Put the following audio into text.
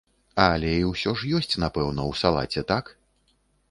А алей усё ж ёсць, напэўна, у салаце, так?